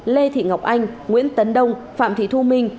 lê thị ngọc anh nguyễn tấn đông phạm thị thu minh